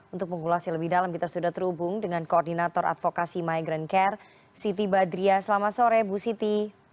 untuk mengulasnya lebih dalam kita sudah terhubung dengan koordinator advokasi migrant care siti badria selamat sore bu siti